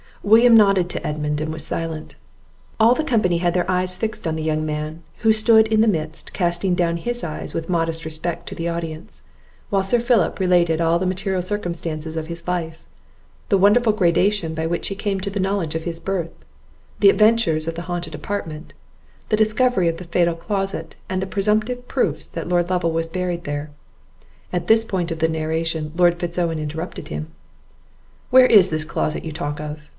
William nodded to Edmund, and was silent. All the company had their eyes fixed on the young man, who stood in the midst, casting down his eyes with modest respect to the audience; while Sir Philip related all the material circumstances of his life, the wonderful gradation by which he came to the knowledge of his birth, the adventures of the haunted apartment, the discovery of the fatal closet, and the presumptive proofs that Lord Lovel was buried there. At this part of his narration, Lord Fitz Owen interrupted him. "Where is this closet you talk of?